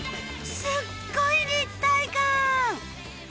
すっごい立体感！